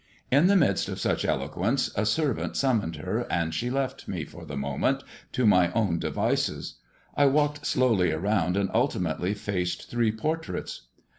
In the midst of such eloquence, a servant aum loned her, and she left me, for the momeat, to my own avices. I walked slowly around, and ultimately faced iree portraits.